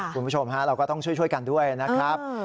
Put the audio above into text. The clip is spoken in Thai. คุณผู้ชมฮะเราก็ต้องช่วยกันด้วยนะครับ